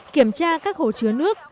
kiểm tra các hồ chứa nước